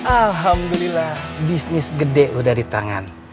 alhamdulillah bisnis gede udah ditangan